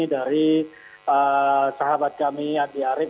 dari sahabat kami andi arief